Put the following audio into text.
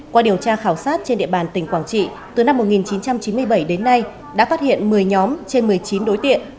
qua điều tra khảo sát trên địa bàn tỉnh quảng trị từ năm một nghìn chín trăm chín mươi bảy đến nay đã phát hiện một mươi nhóm trên một mươi chín đối tượng